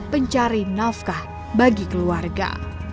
pencari nafkah bagi keluarga